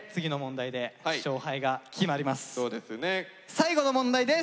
最後の問題です。